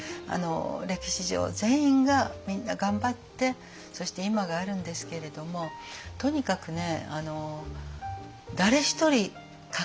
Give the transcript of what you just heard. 歴史上全員がみんな頑張ってそして今があるんですけれどもとにかくね